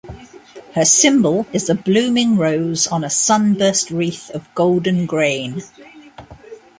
Her symbol is a blooming rose on a sunburst wreath of golden grain.